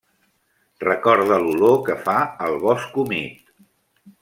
Recorda l'olor que fa el bosc humit.